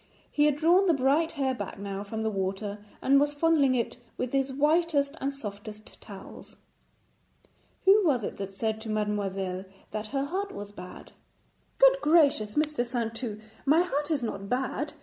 He had drawn the bright hair back now from the water, and was fondling it with his whitest and softest towels. 'Who was it that said to mademoiselle that her heart was bad?' 'Good gracious, Mr. Saintou, my heart is not bad.